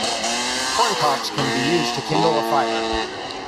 Corn cobs can be used to kindle a fire.